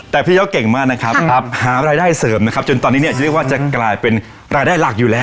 แต่พี่ยกเก่งมากนะครับหารายได้เสริมนะครับจนตอนนี้เนี่ยเรียกว่าจะกลายเป็นรายได้หลักอยู่แล้ว